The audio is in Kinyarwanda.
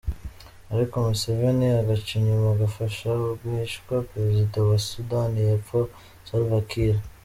Ariko Museveni agaca inyuma agafasha rwishwa Perezida wa Sudani yepfo, Salva Kiir.